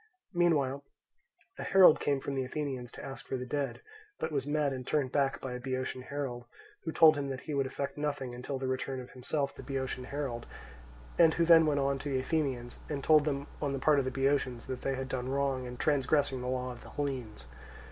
Meanwhile a herald came from the Athenians to ask for the dead, but was met and turned back by a Boeotian herald, who told him that he would effect nothing until the return of himself the Boeotian herald, and who then went on to the Athenians, and told them on the part of the Boeotians that they had done wrong in transgressing the law of the Hellenes.